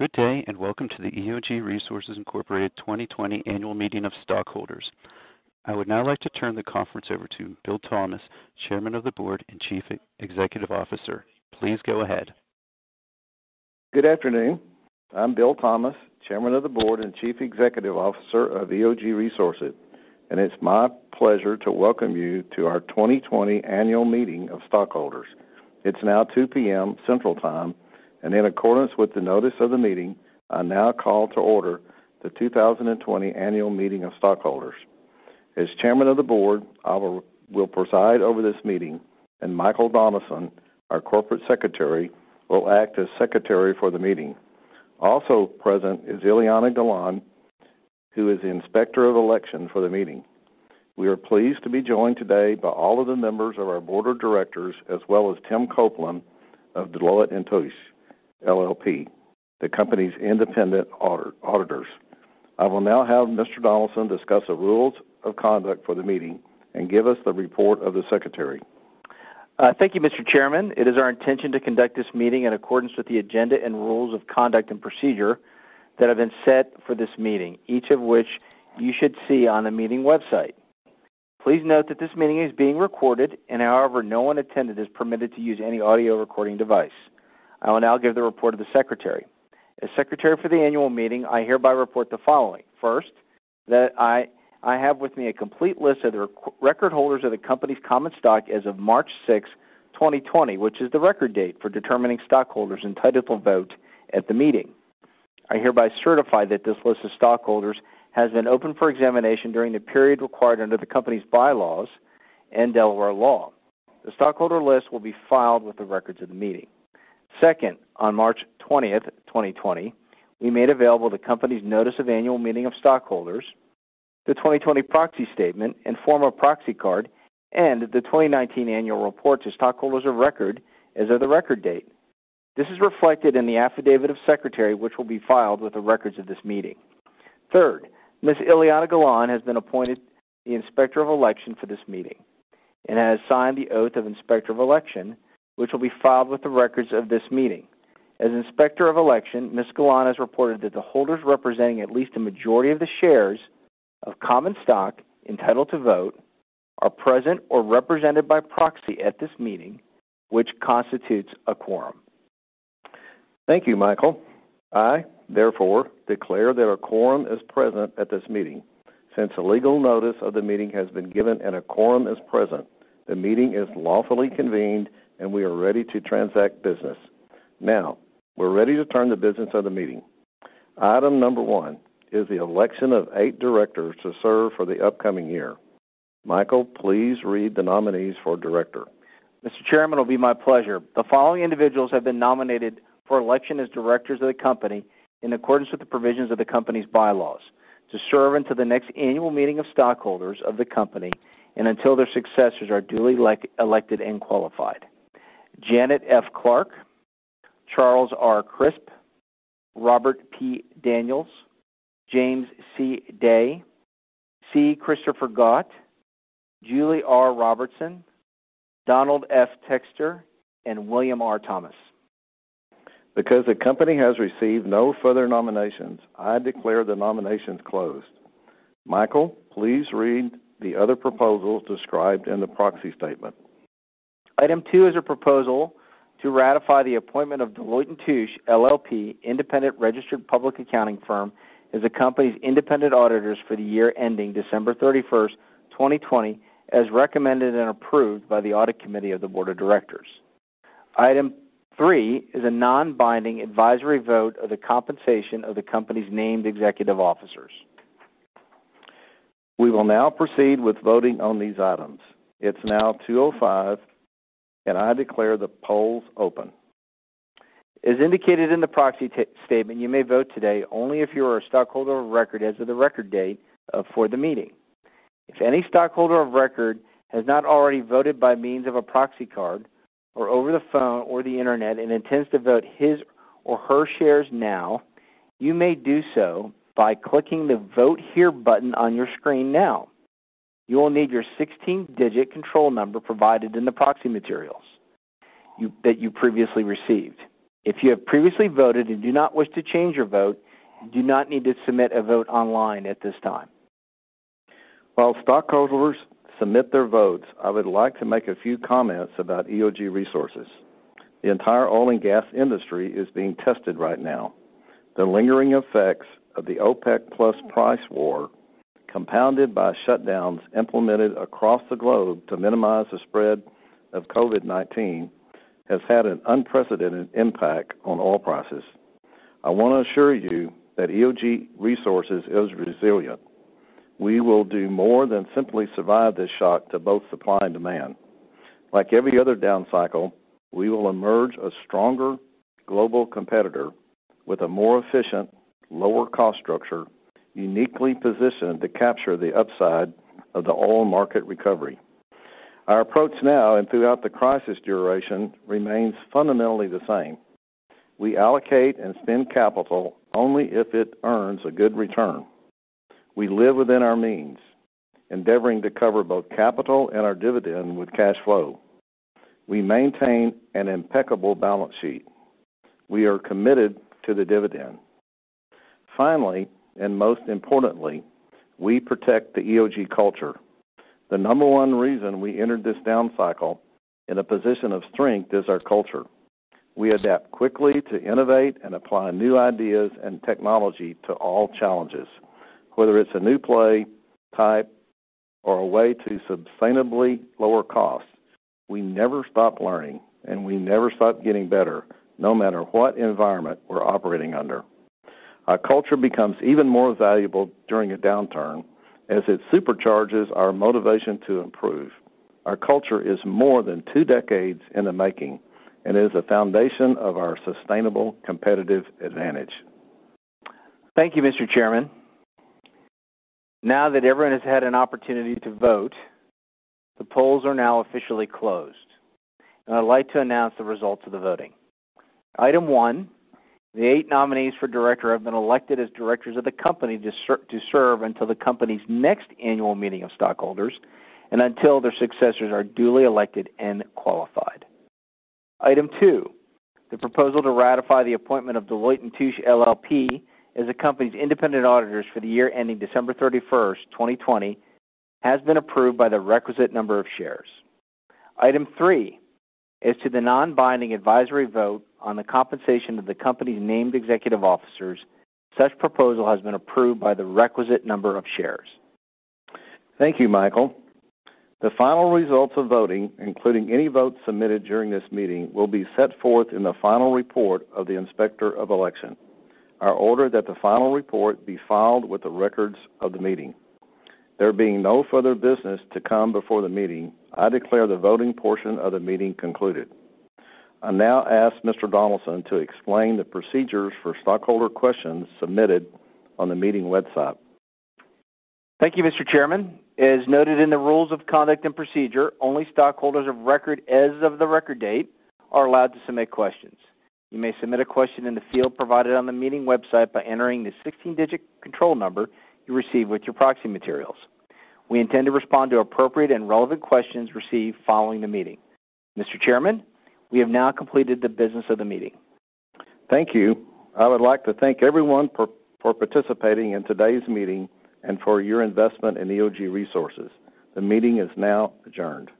Good day, and welcome to the EOG Resources Incorporated 2020 Annual Meeting of Stockholders. I would now like to turn the conference over to Bill Thomas, Chairman of the Board and Chief Executive Officer. Please go ahead. Good afternoon. I'm Bill Thomas, Chairman of the Board and Chief Executive Officer of EOG Resources. It's my pleasure to welcome you to our 2020 Annual Meeting of Stockholders. It's now 2:00 P.M. Central Time. In accordance with the notice of the meeting, I now call to order the 2020 Annual Meeting of Stockholders. As Chairman of the Board, I will preside over this meeting. Michael Donaldson, our Corporate Secretary, will act as Secretary for the meeting. Also present is Iliana Galan, who is the Inspector of Election for the meeting. We are pleased to be joined today by all of the members of our Board of Directors, as well as Tim Copeland of Deloitte & Touche LLP, the company's independent auditors. I will now have Mr. Donaldson discuss the rules of conduct for the meeting and give us the report of the Secretary. Thank you, Mr. Chairman. It is our intention to conduct this meeting in accordance with the agenda and rules of conduct and procedure that have been set for this meeting, each of which you should see on the meeting website. Please note that this meeting is being recorded. However, no one attendant is permitted to use any audio recording device. I will now give the report of the Secretary. As Secretary for the annual meeting, I hereby report the following. First, that I have with me a complete list of the record holders of the company's common stock as of March 6, 2020, which is the record date for determining stockholders entitled to vote at the meeting. I hereby certify that this list of stockholders has been open for examination during the period required under the company's bylaws and Delaware law. The stockholder list will be filed with the records of the meeting. Second, on March 20, 2020, we made available the company's notice of annual meeting of stockholders, the 2020 proxy statement and form of proxy card, and the 2019 annual report to stockholders of record as of the record date. This is reflected in the affidavit of Secretary, which will be filed with the records of this meeting. Third, Ms. Iliana Galan has been appointed the Inspector of Election for this meeting and has signed the oath of Inspector of Election, which will be filed with the records of this meeting. As Inspector of Election, Ms. Galan has reported that the holders representing at least a majority of the shares of common stock entitled to vote are present or represented by proxy at this meeting, which constitutes a quorum. Thank you, Michael. I, therefore, declare that a quorum is present at this meeting. Since a legal notice of the meeting has been given and a quorum is present, the meeting is lawfully convened, and we are ready to transact business. Now, we're ready to turn to business of the meeting. Item number one is the election of eight directors to serve for the upcoming year. Michael, please read the nominees for director. Mr. Chairman, it will be my pleasure. The following individuals have been nominated for election as directors of the company in accordance with the provisions of the company's bylaws to serve until the next annual meeting of stockholders of the company and until their successors are duly elected and qualified. Janet F. Clark, Charles R. Crisp, Robert P. Daniels, James C. Day, C. Christopher Gaut, Julie J. Robertson, Donald F. Textor, and William R. Thomas. Because the company has received no further nominations, I declare the nominations closed. Michael, please read the other proposals described in the proxy statement. Item two is a proposal to ratify the appointment of Deloitte & Touche LLP, independent registered public accounting firm, as the company's independent auditors for the year ending December 31st, 2020, as recommended and approved by the Audit Committee of the Board of Directors. Item three is a non-binding advisory vote of the compensation of the company's named executive officers. We will now proceed with voting on these items. It's now 2:05 P.M., and I declare the polls open. As indicated in the proxy statement, you may vote today only if you are a stockholder of record as of the record date for the meeting. If any stockholder of record has not already voted by means of a proxy card or over the phone or the internet and intends to vote his or her shares now, you may do so by clicking the Vote Here Button on your screen now. You will need your 16-digit control number provided in the proxy materials that you previously received. If you have previously voted and do not wish to change your vote, you do not need to submit a vote online at this time. While stockholders submit their votes, I would like to make a few comments about EOG Resources. The entire oil and gas industry is being tested right now. The lingering effects of the OPEC+ price war, compounded by shutdowns implemented across the globe to minimize the spread of COVID-19, has had an unprecedented impact on oil prices. I want to assure you that EOG Resources is resilient. We will do more than simply survive this shock to both supply and demand. Like every other down cycle, we will emerge a stronger global competitor with a more efficient, lower cost structure, uniquely positioned to capture the upside of the oil market recovery. Our approach now and throughout the crisis duration remains fundamentally the same. We allocate and spend capital only if it earns a good return. We live within our means, endeavoring to cover both capital and our dividend with cash flow. We maintain an impeccable balance sheet. We are committed to the dividend. Finally, and most importantly, we protect the EOG culture. The number one reason we entered this down cycle in a position of strength is our culture. We adapt quickly to innovate and apply new ideas and technology to all challenges, whether it's a new play type or a way to sustainably lower costs. We never stop learning, and we never stop getting better, no matter what environment we're operating under. Our culture becomes even more valuable during a downturn, as it supercharges our motivation to improve. Our culture is more than two decades in the making and is the foundation of our sustainable competitive advantage. Thank you, Mr. Chairman. Now that everyone has had an opportunity to vote, the polls are now officially closed, and I'd like to announce the results of the voting. Item one, the eight nominees for director have been elected as directors of the company to serve until the company's next annual meeting of stockholders and until their successors are duly elected and qualified. Item two, the proposal to ratify the appointment of Deloitte & Touche LLP as the company's independent auditors for the year ending December 31st, 2020, has been approved by the requisite number of shares. Item three is to the non-binding advisory vote on the compensation of the company's named executive officers. Such proposal has been approved by the requisite number of shares. Thank you, Michael. The final results of voting, including any votes submitted during this meeting, will be set forth in the final report of the Inspector of Election. I order that the final report be filed with the records of the meeting. There being no further business to come before the meeting, I declare the voting portion of the meeting concluded. I now ask Mr. Donaldson to explain the procedures for stockholder questions submitted on the meeting website. Thank you, Mr. Chairman. As noted in the rules of conduct and procedure, only stockholders of record as of the record date are allowed to submit questions. You may submit a question in the field provided on the meeting website by entering the 16-digit control number you receive with your proxy materials. We intend to respond to appropriate and relevant questions received following the meeting. Mr. Chairman, we have now completed the business of the meeting. Thank you. I would like to thank everyone for participating in today's meeting and for your investment in EOG Resources. The meeting is now adjourned.